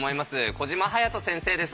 小島勇人先生です。